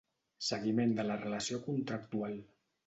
Seguiment de la relació contractual.